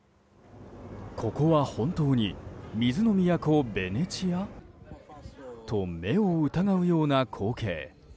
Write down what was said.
ここは本当に水の都ベネチア？と目を疑うような光景。